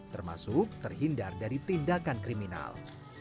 termasuk terhindar dari tindakan kriminal